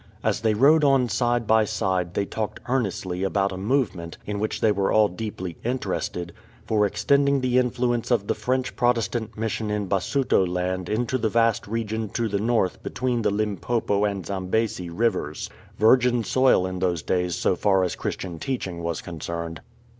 As they rode on side by side they talked earnestly about a movement, in which they were all deeply interested, for extending the influence of the French Protestant Mission in Basutoland into the vast region to the north between the Limpopo and Zambesi rivers — virgin soil in those days so far as Christian teaching was concerned.